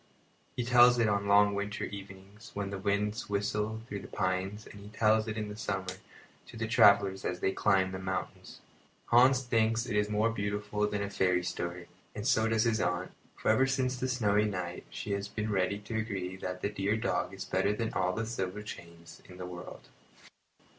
He tells it on the long winter evenings when the winds whistle through the pines and he tells it in the summer to the travellers as they climb the mountains. Hans thinks it is more beautiful than a fairy story, and so does his aunt; for ever since that snowy night she has been ready to agree that the dear dog is better than all the silver chains in the world.